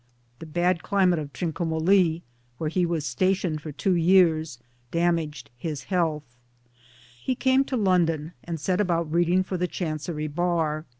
The bad climate of Trincomalee, where he was stationed for two years, damaged his health. He came to London and set about reading for the Chancery Bar.